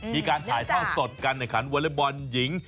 มีการถ่ายเท่าสดกันในขันวอเล็บบอลหญิง